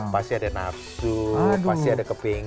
pasti ada nafsu pasti ada keping